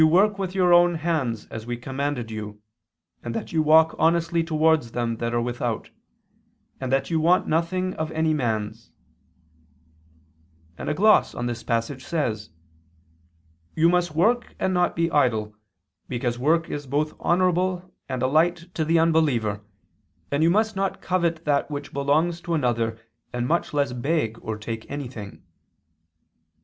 work with your own hands as we commanded you, and that you walk honestly towards them that are without: and that you want nothing of any man's": and a gloss on this passage says: "You must work and not be idle, because work is both honorable and a light to the unbeliever: and you must not covet that which belongs to another and much less beg or take anything."